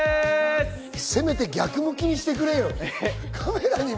せめて逆向きにしてくれよ。